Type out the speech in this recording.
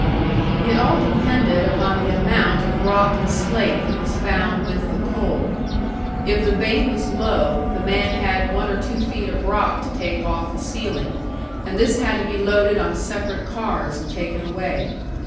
It all depended upon the amount of rock and slate that was found with the coal. If the vein was low, the man had one or two feet of rock to take off the ceiling, and this had to be loaded on separate cars and taken away.